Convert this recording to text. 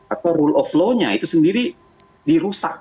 atau rule of law nya itu sendiri dirusak